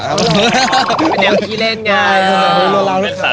อย่างนั้นพี่เล่นไง